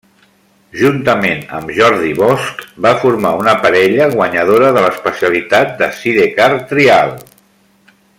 Juntament amb Jordi Bosch, va formar una parella guanyadora de l'especialitat de Sidecar Trial.